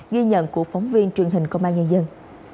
ghi nhận của phóng viên truyền hình công an nhân dân